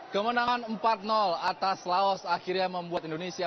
kemenangan empat atas laos akhirnya membuat indonesia menang kemenangan indonesia